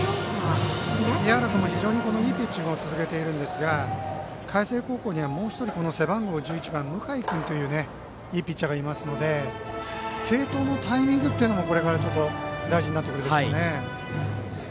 宮原君も非常にいいピッチングを続けていますが海星高校にはもう１人、背番号１１番の向井君といういいピッチャーがいますので継投のタイミングというのがこれから大事になってきますね。